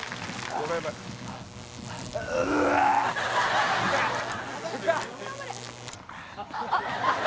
「頑張れ！」